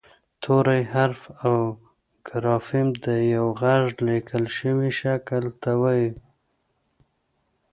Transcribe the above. توری حرف او ګرافیم د یوه غږ لیکل شوي شکل ته وايي